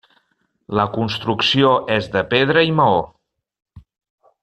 La construcció és de pedra i maó.